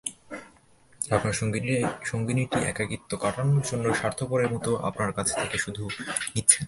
আপনার সঙ্গীটি একাকিত্ব কাটানোর জন্য স্বার্থপরের মতো আপনার কাছ থেকে শুধু নিচ্ছেন।